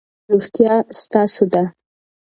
روغتیا ستاسو ده.